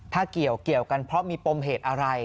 ถ้าเกี่ยวกันเพราะมีปมเหตุอะไร